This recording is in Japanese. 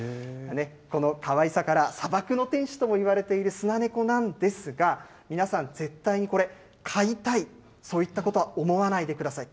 このかわいさから、砂漠の天使ともいわれているスナネコなんですが、皆さん、絶対にこれ、飼いたい、そういったことは思わないでください。